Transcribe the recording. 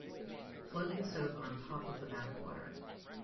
Float the soap on top of the bath water.